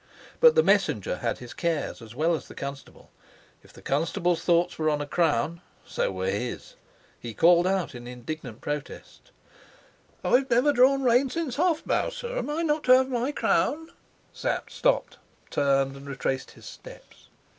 But the messenger had his cares as well as the constable. If the constable's thoughts were on a crown, so were his. He called out in indignant protest: "I have never drawn rein since Hofbau, sir. Am I not to have my crown?" Sapt stopped, turned, and retraced his steps.